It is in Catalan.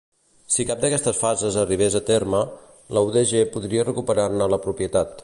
Si cap d'aquestes fases arribés a terme, la UdG podria recuperar-ne la propietat.